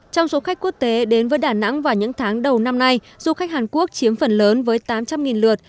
trong số khách quốc tế đến với đà nẵng vào những tháng đầu năm nay du khách hàn quốc chiếm phần lớn với tám trăm linh lượt